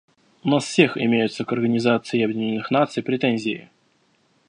У нас всех имеются к Организации Объединенных Наций претензии.